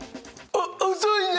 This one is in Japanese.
「遅いね」